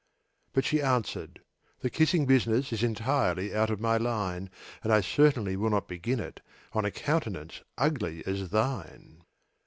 But she answered, "The kissing business Is entirely out of my line; And I certainly will not begin it On a countenance ugly as thine!"